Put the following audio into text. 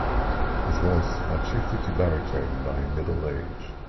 His voice had shifted to baritone by middle age.